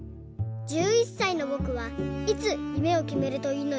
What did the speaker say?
１１さいのぼくはいつゆめをきめるといいのですか？」。